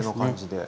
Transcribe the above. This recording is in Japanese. はい。